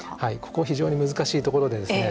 ここ非常に難しいところでですね